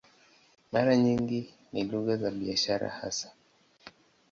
Mara nyingi ni lugha za biashara hasa.